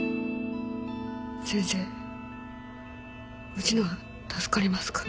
先生うちのは助かりますか？